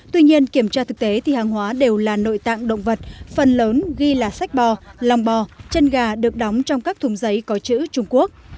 tuy nhiên kiểm tra thực tế thì hàng hóa đều là nội tạng động vật phần lớn ghi là sách bò lòng bò chân gà được đóng trong các thùng giấy có chữ trung quốc